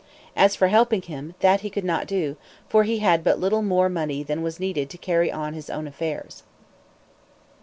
As for helping him, that he could not do; for he had but little more money than was needed to carry on his own affairs.